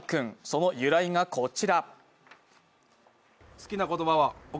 その由来がこちら。